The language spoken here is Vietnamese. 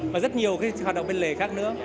và rất nhiều cái hoạt động bên lề khác nữa